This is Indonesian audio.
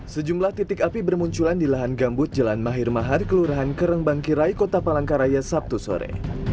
sejumlah titik api bermunculan di lahan gambut jalan mahir mahar kelurahan kerembangkirai kota palangkaraya sabtu sore